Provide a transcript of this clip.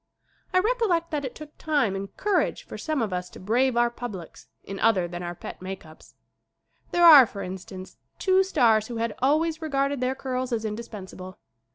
I recollect that it took time and courage for some of us to brave our publics in other than our pet make ups. There are, for instance, two stars who had always regarded their curls as indispensable.